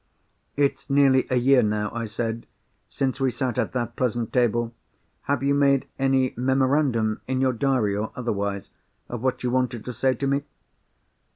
"It's nearly a year now," I said, "since we sat at that pleasant table. Have you made any memorandum—in your diary, or otherwise—of what you wanted to say to me?"